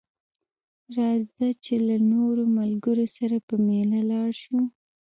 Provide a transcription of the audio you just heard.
راځه چې له نورو ملګرو سره په ميله لاړ شو